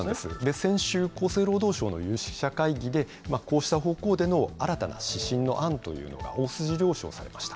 先週、厚生労働省の有識者会議で、こうした方向での新たな指針の案というのが大筋了承されました。